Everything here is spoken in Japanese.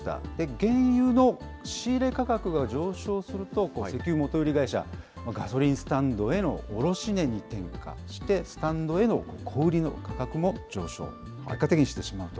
原油の仕入れ価格が上昇すると、石油元売り会社、ガソリンスタンドへの卸値に転嫁して、スタンドへの小売りの価格も上昇してしまうと。